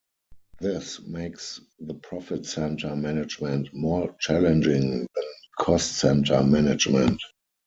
This makes the profit center management more challenging than cost center management.